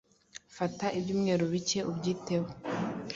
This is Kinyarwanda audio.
fata ibyumweru bike ubyiteho